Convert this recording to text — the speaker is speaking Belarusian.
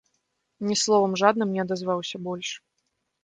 Ні словам жадным не адазваўся больш.